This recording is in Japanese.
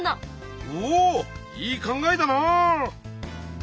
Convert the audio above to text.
おいい考えだなあ！